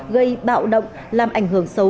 gây bạo động làm ảnh hưởng xấu